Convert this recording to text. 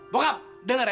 bokap denger ya